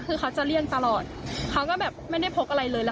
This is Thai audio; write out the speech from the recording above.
ก็คือพยายามเลี่ยงแล้วเหมือนเขาโดนหลายรอบแล้ว